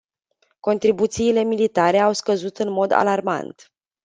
Contribuțiile militare au scăzut în mod alarmant.